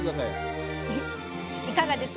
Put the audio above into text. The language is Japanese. いかがです？